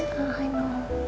ya aku tahu